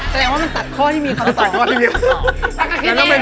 แสดงว่ามันตัดข้อที่มีความตัดข้อที่มีความตัด